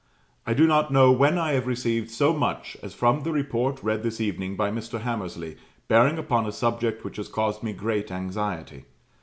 I do not know when I have received so much as from the report read this evening by Mr. Hammersley, bearing upon a subject which has caused me great anxiety.